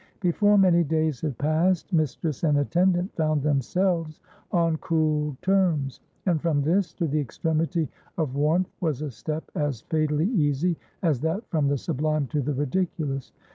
Before many days had passed, mistress and attendant found themselves on cool terms, and from this to the extremity of warmth was a step as fatally easy as that from the sublime to the ridiculous.